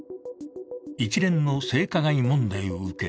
一連の性加害問題を受け